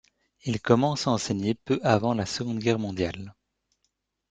Il commence à enseigner peu avant la Seconde Guerre mondiale.